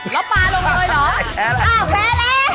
ล้อปปลาลงเลยเหรอแพ้แล้ว